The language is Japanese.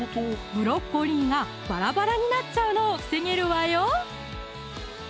ブロッコリーがバラバラになっちゃうのを防げるわよ